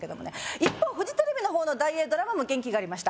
一方フジテレビの方の大映ドラマも元気がありました